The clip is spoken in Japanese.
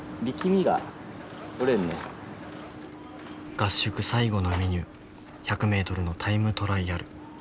合宿最後のメニュー１００ｍのタイムトライアル。